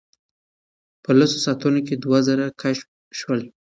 په لسو ساعتونو کې دوه زره کشف شول.